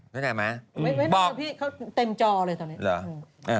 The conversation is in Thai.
เดี๋ยวใกล้ไหมบอกเขาเต็มจอเลยตอนนี้